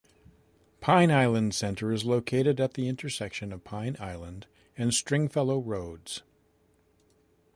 Pine Island Center is located at the intersection of Pine Island and Stringfellow Roads.